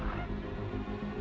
masih ada yang mau ngomong